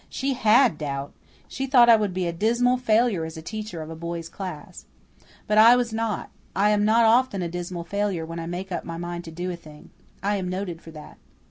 She HAD doubt. She thought I would be a dismal failure as teacher of a boys' class. But I was not. I am not often a dismal failure when I make up my mind to do a thing. I am noted for that.